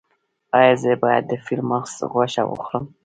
ایا زه باید د فیل مرغ غوښه وخورم؟